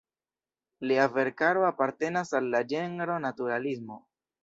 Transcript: Lia verkaro apartenas al la ĝenro naturalismo.